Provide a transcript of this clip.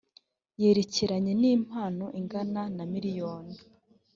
yerekeranye n impano ingana na miliyoni